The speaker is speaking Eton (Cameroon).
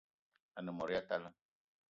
A-ne mot ya talla